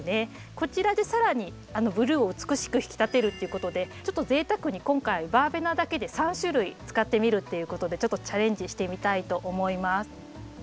こちらで更にブルーを美しく引き立てるっていうことでちょっと贅沢に今回バーベナだけで３種類使ってみるっていうことでちょっとチャレンジしてみたいと思います。